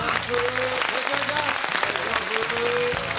よろしくお願いします。